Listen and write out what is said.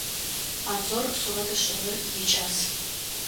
Анзор сурэт ышӏыныр икӏас.